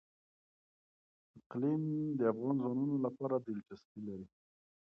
اقلیم د افغان ځوانانو لپاره دلچسپي لري.